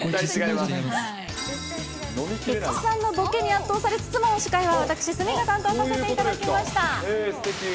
菊池さんのぼけに圧倒されつつも、司会は私、鷲見が担当させていただきました。